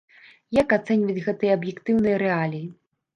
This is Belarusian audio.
Як ацэньваць гэтыя аб'ектыўныя рэаліі?